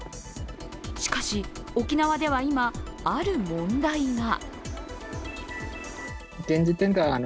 しかし、沖縄では今ある問題が。